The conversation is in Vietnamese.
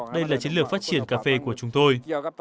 đây là chiến lược phát triển cà phê của chúng tôi